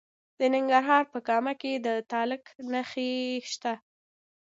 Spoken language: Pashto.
د ننګرهار په کامه کې د تالک نښې شته.